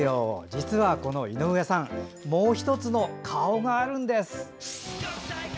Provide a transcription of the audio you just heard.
実は、この井上さんもう１つの顔があるんです。